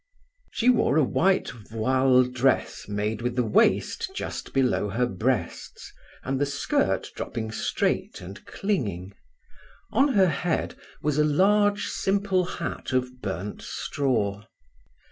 She wore a white voile dress made with the waist just below her breasts, and the skirt dropping straight and clinging. On her head was a large, simple hat of burnt straw.